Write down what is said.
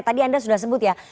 tadi anda sudah sebut ya